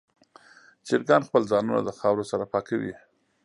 چرګان خپل ځانونه د خاورو سره پاکوي.